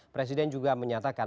presiden juga menyatakan